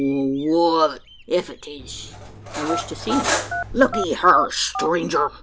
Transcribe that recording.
"Wall what o't, ef't is?" "I wish to see him." "Lookee hyur, stranger!"